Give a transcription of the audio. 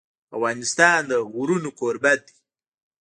افغانستان د غرونه کوربه دی.